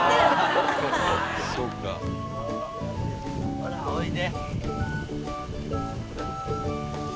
ほらおいで。